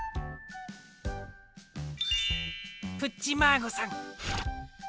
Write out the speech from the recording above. プッチマーゴさん